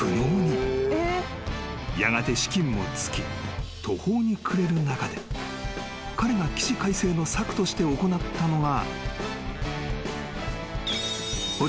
［やがて資金も尽き途方に暮れる中で彼が起死回生の策として行ったのが］